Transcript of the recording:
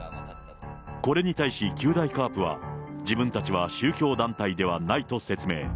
これに対し九大ＣＡＲＰは、自分たちは宗教団体ではないと説明。